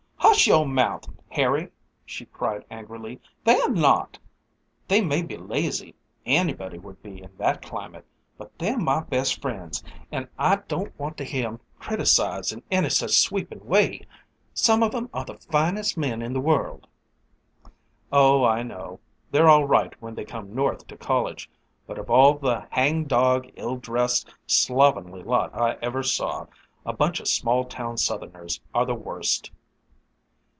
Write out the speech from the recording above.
"Hush your mouth, Harry!" she cried angrily. "They're not! They may be lazy anybody would be in that climate but they're my best friends, an' I don't want to hear 'em criticised in any such sweepin' way. Some of 'em are the finest men in the world." "Oh, I know. They're all right when they come North to college, but of all the hangdog, ill dressed, slovenly lot I ever saw, a bunch of small town Southerners are the worst!"